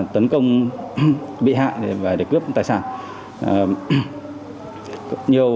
tấn công bị hại để cướp tài sản